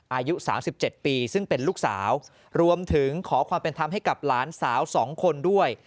อายุ๓๗ปีซึ่งเป็นลูกสาวรวมถึงขอความเป็นธรรมให้กับหลานสาว๒คนด้วย